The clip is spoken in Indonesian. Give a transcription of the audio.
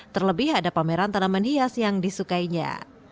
terlebih ada pameran tanaman hias yang disukainya